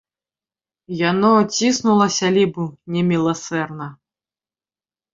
Яно ціснула сялібу неміласэрна.